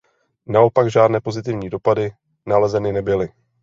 Naopak žádné pozitivní dopady nalezeny nebyly.